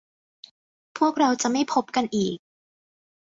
พวกเราจะไม่พบกันอีก